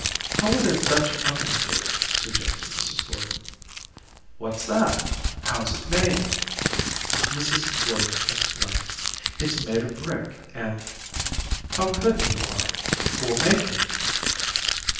"How would a Dutch oven do?" suggested Mrs. Gordon. "What's that? How's it made?" Mrs. Gordon explained: "It's made of brick, and " "How good you are. Who'll make it?"